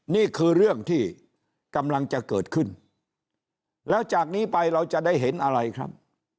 นี่คือเรื่องที่กำลังจะเกิดขึ้นแล้วจากนี้ไปเราจะได้เห็นอะไรครับ